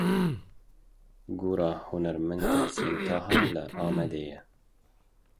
Gora hunermend Tehsîn Taha li Amêdiyê.